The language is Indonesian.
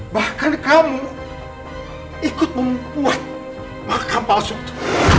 bahkan kamu ikut membuat makam palsu itu